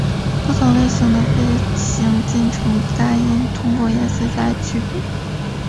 不同类型的飞行进程单应通过颜色加以区别。